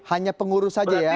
hanya pengurus saja ya